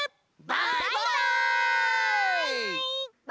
バイバイ！